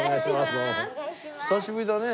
久しぶりだね。